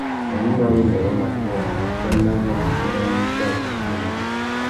Nà gnïmá râ undêrô matê, a mà chana nà widjura iwí kā zu fiti umana.